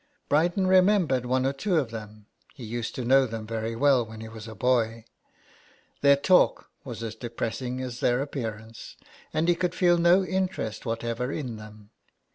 Bryden remem bered one or two of them — he used to know them very well when he was a boy ; their talk was as depressing as their appearance, and he could feel no interest what ever in them.